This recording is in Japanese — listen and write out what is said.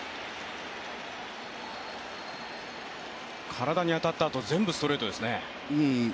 体に当たったあと、全部ストレートですね。